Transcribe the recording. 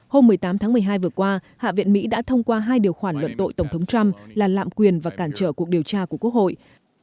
hôm một mươi tám tháng một mươi hai vừa qua hạ viện mỹ đã thông qua hai điều khoản luận tội tổng thống trump là lạm quyền và cản trở cuộc điều tra của quốc hội